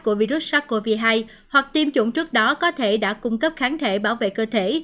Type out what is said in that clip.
của virus sars cov hai hoặc tiêm chủng trước đó có thể đã cung cấp kháng thể bảo vệ cơ thể